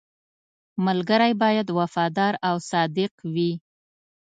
• ملګری باید وفادار او صادق وي.